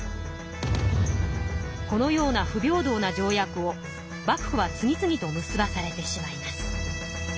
このような不平等な条約を幕府は次々と結ばされてしまいます。